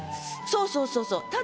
そうそうそうそう